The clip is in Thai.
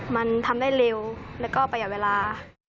มันทำได้เร็วแล้วก็ประหยัดเวลา